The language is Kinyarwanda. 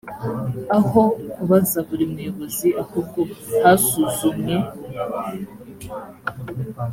aho kubaza buri muyobozi ahubwo hasuzumwe